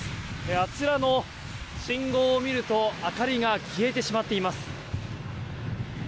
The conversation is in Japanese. あちらの信号を見ると明かりが消えてしまっています。